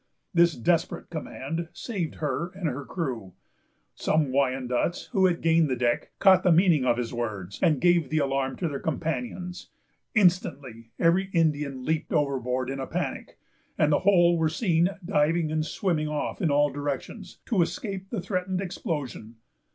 This desperate command saved her and her crew. Some Wyandots, who had gained the deck, caught the meaning of his words, and gave the alarm to their companions. Instantly every Indian leaped overboard in a panic, and the whole were seen diving and swimming off in all directions, to escape the threatened explosion.